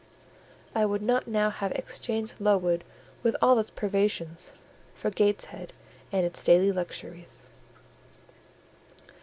I would not now have exchanged Lowood with all its privations for Gateshead and its daily luxuries.